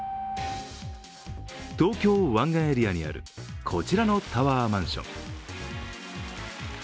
東京・湾岸エリアにあるこちらのタワーマンション。